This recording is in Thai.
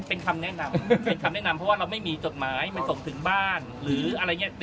เป็นคำแนะนำเพราะว่าเราไม่มีจดหมายมันส่งถึงบ้านหรืออะไรอย่างเงี้ย